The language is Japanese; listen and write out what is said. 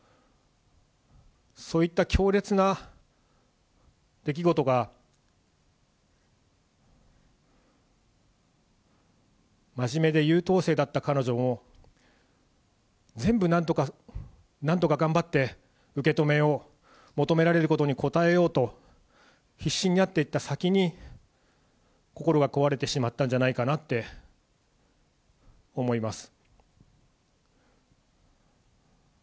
そういった強烈な出来事が、真面目で優等生だった彼女の、全部、なんとか、なんとか頑張って受け止めよう、求められることに応えようと、必死になっていった先に、心が壊れてしまったんじゃないかなって思います。